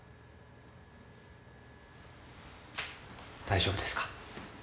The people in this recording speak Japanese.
大丈夫ですか？